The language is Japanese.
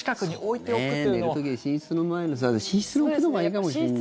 寝る時に寝室の前の寝室に置くのがいいかもしれないね。